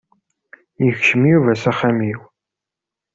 Yekcem Yuba s axxam-iw.